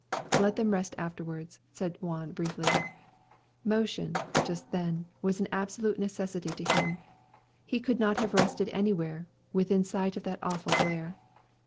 "Let them rest afterwards," said Juan briefly. Motion, just then, was an absolute necessity to him. He could not have rested anywhere, within sight of that awful glare.